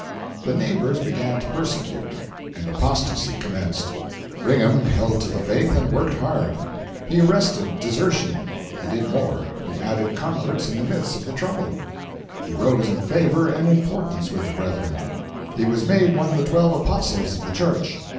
The neighbors began to persecute, and apostasy commenced. Brigham held to the faith and worked hard. He arrested desertion. He did more—he added converts in the midst of the trouble. He rose in favor and importance with the brethren. He was made one of the Twelve Apostles of the Church.